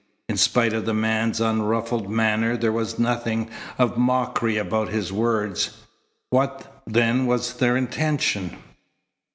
In spite of the man's unruffled manner there was nothing of mockery about his words. What, then, was their intention?